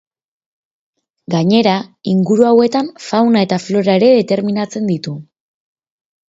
Gainera, inguru hauetan fauna eta flora ere determinatzen ditu.